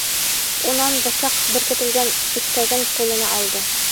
Унан бысаҡ беркетелгән ишкәген ҡулына алды.